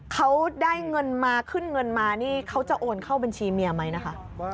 เขาได้เงินมาขึ้นเงินมานี่เขาจะโอนเข้าบัญชีเมียไหมนะคะ